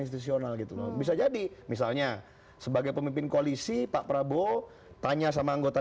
institusional gitu loh bisa jadi misalnya sebagai pemimpin koalisi pak prabowo tanya sama anggota